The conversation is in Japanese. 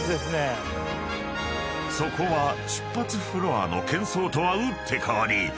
［そこは出発フロアの喧噪とは打って変わりまるで］